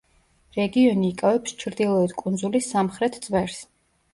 რეგიონი იკავებს ჩრდილოეთ კუნძულის სამხრეთ წვერს.